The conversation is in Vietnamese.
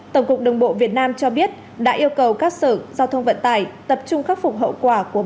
tổng cục đồng bộ việt nam cho biết đã yêu cầu các sở giao thông vận tải tập trung khắc phục hậu quả của bão